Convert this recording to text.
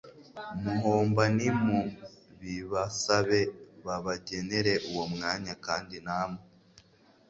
muhomba. Nimubibasabe babagenere uwo mwanya kandi namwe